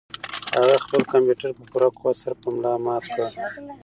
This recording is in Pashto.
هغه خپل کمپیوټر په پوره قوت سره په ملا مات کړ.